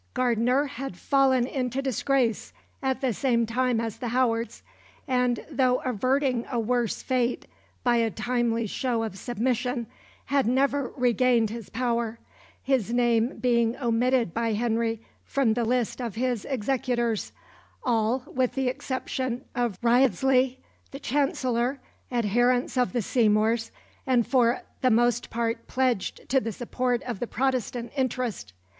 Gardiner had fallen into disgrace at the same time as the Howards, and, though averting a worse fate by a timely show of submission, had never regained his power, his name being omitted by Henry from the list of his executors, all, with the exception of Wriothesley the Chancellor, adherents of the Seymours and for the most part pledged to the support of the Protestant interest.